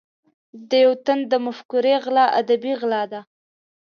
د یو تن د مفکورې غلا ادبي غلا ده.